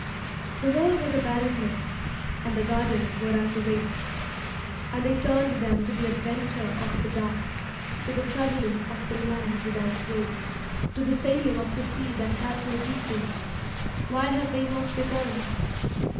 The world was a barrenness. And the gardens were as the waste. And they turned them to the adventure of the dark, To the travelling of the land without roads, To the sailing of the sea that hath no beacons. Why have they not returned?